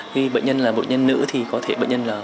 khi bệnh nhân là bệnh nhân nữ thì có thể bệnh nhân là